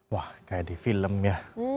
wah kayak di film ya